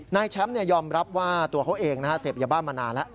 นายแชมป์ยอมรับว่าตัวเขาเองเสพยาบ้ามานานแล้ว